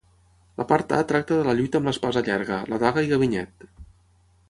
La part A tracta de la lluita amb l'espasa llarga, la daga i ganivet.